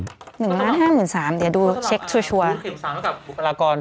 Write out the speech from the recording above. ๑ล้าน๕หมื่น๓เดี๋ยวดูเช็คชัวร์